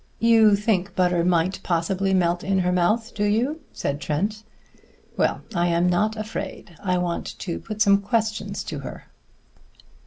"You think butter might possibly melt in her mouth, do you?" said Trent. "Well, I am not afraid. I want to put some questions to her."